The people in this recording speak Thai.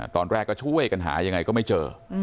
ตอนแรกก็ช่วยกันหายังไงก็ไม่เจอ